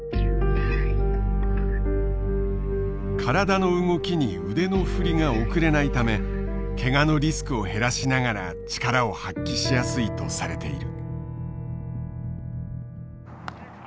体の動きに腕の振りが遅れないためけがのリスクを減らしながら力を発揮しやすいとされている。